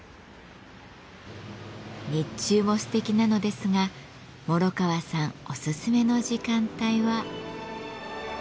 日中もすてきなのですが諸河さんおすすめの時間帯は。